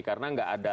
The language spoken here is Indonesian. karena gak ada